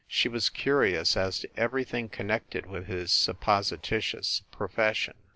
She was curious as to everything connected with his supposititious profession.